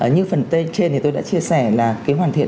như phần tên trên thì tôi đã chia sẻ là cái hoàn thiện